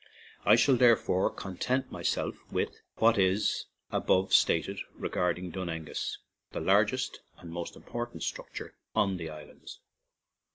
I shall, therefore, content my self with what is above stated regarding Dun Aengus, the largest and most im portant structure on the islands.